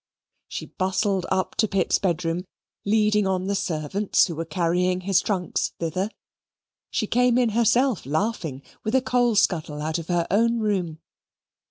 She bustled up to Pitt's bedroom, leading on the servants, who were carrying his trunks thither. She came in herself laughing, with a coal scuttle out of her own room.